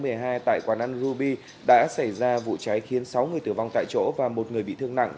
trước đó vào tối ngày hai mươi một tháng một mươi hai tại quán ăn ruby đã xảy ra vụ cháy khiến sáu người tử vong tại chỗ và một người bị thương nặng